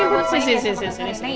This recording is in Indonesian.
tepat di angkurnya burung